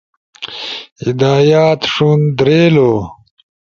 ہدایات، ݜُون، دھیریلو